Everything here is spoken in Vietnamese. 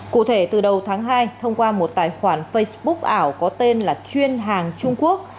cụ thể từ đầu tháng hai thông qua một tài khoản facebook ảo có tên là chuyên hàng trung quốc